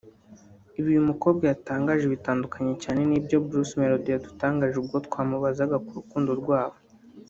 Ibi uyu mukobwa yatangaje bitandukanye cyane n’ibyo Bruce Melodie yadutangarije ubwo twamubazaga ku rukundo rwabo